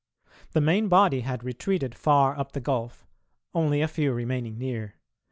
The main body had retreated far up the gulf, only a few remaining near.